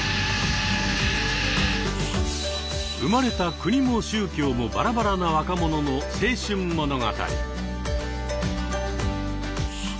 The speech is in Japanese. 生まれた国も宗教もバラバラな若者の青春物語。